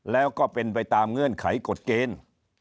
แล้วก็เป็นไปตามเงื่อนไขกฎเกณฑ์